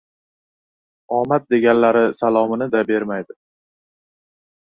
Omad deganlari salomini-da bermaydi.